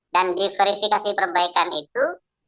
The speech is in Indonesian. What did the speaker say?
dan di verifikasi perbaikan itu